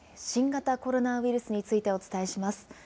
新型コロナウイルスについてお伝えします。